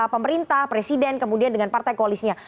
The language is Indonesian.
pemerintah presiden kemudian dengan partai koalisnya